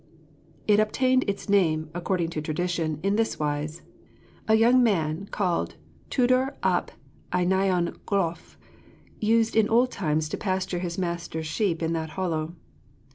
It obtained its name, according to tradition, in this wise: A young man, called Tudur ap Einion Gloff, used in old times to pasture his master's sheep in that hollow.